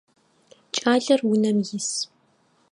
Кӏалэр унэм ис.